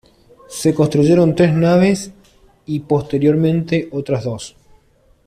Se construyeron tres naves y posteriormente otras dos.